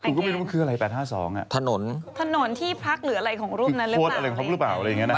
คุณก็ไม่รู้ว่าคืออะไร๘๕๒อ่ะถนนที่พักหรืออะไรของรุ่นนั้นหรือเปล่าอะไรอย่างงี้นะฮะ